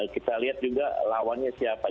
kita lihat juga lawannya siapa